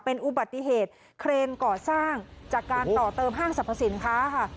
เป็นอุบัติเหตุเครนก่อสร้างจากการต่อเติมห้างสรรพสินค้าค่ะ